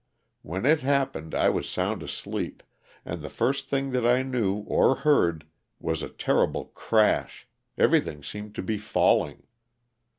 When it happened I was sound asleep, and the first thing that I knew or heard was a terrible crash, everything seemed to be falling.